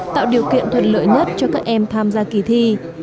tạo điều kiện thuận lợi nhất cho các em tham gia kỳ thi